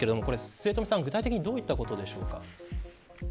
末冨さん、具体的にどういったことでしょうか。